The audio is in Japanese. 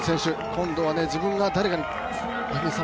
今度は自分が誰かにお姫様